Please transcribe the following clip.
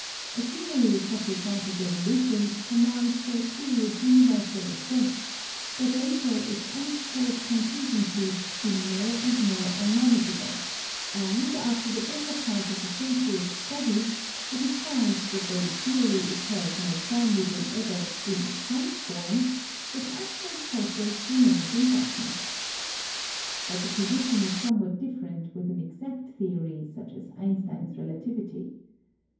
A theory such as that of Evolution commands for a period universal assent, but later its unexplored contingencies seem more and more unmanageable, and after the better part of a century of study it is found that though the theory is held more firmly than ever in some form, its actual 20 ON GRAVITATION process remains in darkness. But the position is some what different with an exact theory, such as Einstein's relativity.